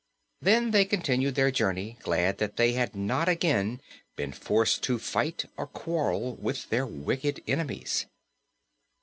Then they continued their journey, glad that they had not again been forced to fight or quarrel with their wicked enemies.